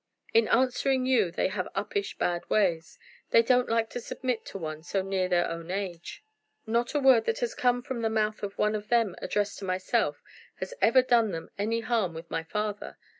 "In answering you they have uppish, bad ways. They don't like to submit to one so near their own age." "Not a word that has come from the mouth of one of them addressed to myself has ever done them any harm with my father.